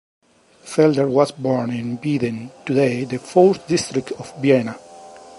Felder was born in Wieden, today the fourth district of Vienna.